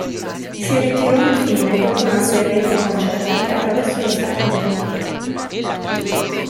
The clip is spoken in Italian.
Si ritirò infine dopo una serie di concerti attraverso gli Stati Uniti.